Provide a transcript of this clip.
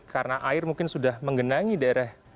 karena air mungkin sudah menggenangi daerah